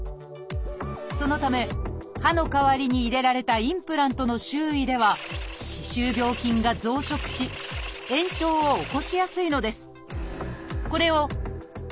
そのため歯の代わりに入れられたインプラントの周囲では歯周病菌が増殖し炎症を起こしやすいのです。